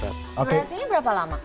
durasinya berapa lama